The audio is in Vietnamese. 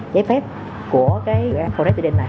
giấy phép của cái dự án forex trading này